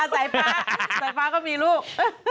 สายฟ้าก็มีลูก